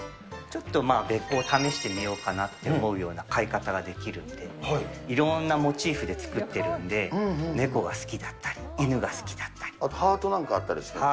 ちょっとべっ甲を試してみようかなと思うような買い方ができるんで、いろんなモチーフで作っているので、猫が好きだったり、あと、ハートなんかあったりして。